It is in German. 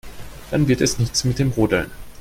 Dann wird es nichts mit dem Rodeln.